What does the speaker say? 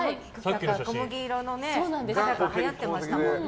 小麦色の肌がはやってましたもんね。